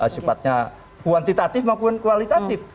sifatnya kuantitatif maupun kualitatif